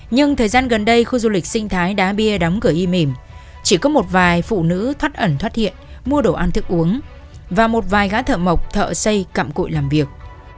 nhưng thời gian gần đây khu du lịch sinh thái đá bia đóng cửa y mìnhm chỉ có một vài phụ nữ thoát ẩn thoát hiện mua đồ ăn thức uống và một vài gá thợ mộc thợ xây cặm cụi làm việc